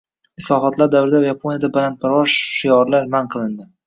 Islohotlar davrida Yaponiyada balandparvoz shiorlar man qilindi.